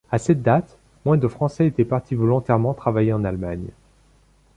À cette date, moins de français étaient partis volontairement travailler en Allemagne.